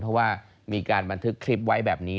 เพราะว่ามีการบันทึกคลิปไว้แบบนี้